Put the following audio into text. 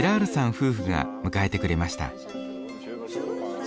夫婦が迎えてくれました。